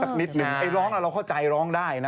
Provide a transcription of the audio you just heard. สักนิดหนึ่งเราเข้าใจร้องได้นะ